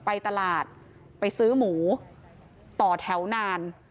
ไปตลาดไปซื้อหมูต่อแถวนาน